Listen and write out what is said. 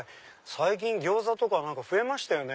最近ギョーザとか増えましたね。